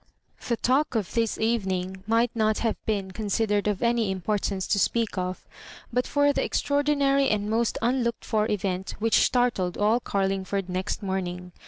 Thb talk of this evening might not have been considered of any importance to speak of, but for the extraordinary and most unlooked for event whidi startled all Ga^ngfbrd next morn ing.